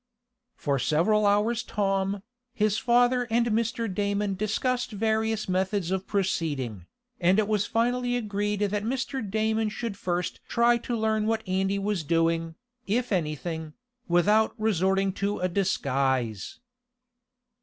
For several hours Tom, his father and Mr. Damon discussed various methods of proceeding, and it was finally agreed that Mr. Damon should first try to learn what Andy was doing, if anything, without resorting to a disguise.